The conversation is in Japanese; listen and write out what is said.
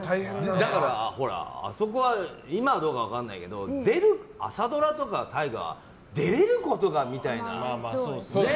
だから、あそこは今はどうか分かんないけど朝ドラとか大河は出れることがみたいな、ね。